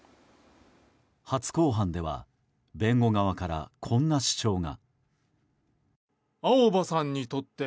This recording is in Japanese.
初公判では弁護側からこんな主張が。